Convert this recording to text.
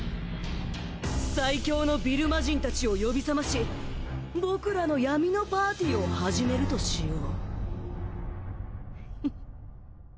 最強のビルマジンたちを呼び覚まし僕らの闇のパーティを始めるとしよう